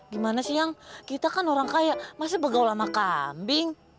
gimana sih yang kita kan orang kaya masa pegawai sama kambing